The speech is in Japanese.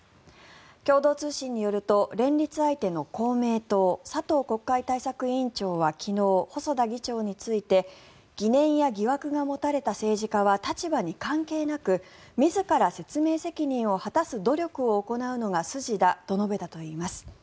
共同通信によると連立相手の公明党佐藤国会対策委員長は昨日、細田議長について疑念や疑惑が持たれた政治家は立場に関係なく自ら説明責任を果たす努力を行うのが筋だと述べたといいます。